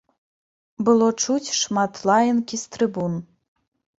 Было чуць шмат лаянкі з трыбун.